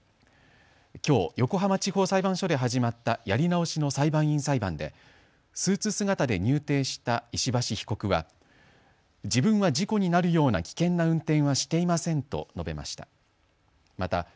きょう横浜地方裁判所で始まったやり直しの裁判員裁判でスーツ姿で入廷した石橋被告は自分は事故になるような危険な運転はしていませんと述べました。